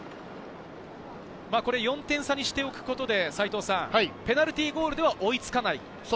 ４点差にしておくことで齊藤さん、ペナルティーゴールでは追いつかない。